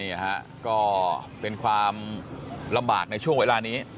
นี่ฮะก็เป็นความลำบากในช่วงเวลานี้